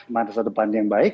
masa depan yang baik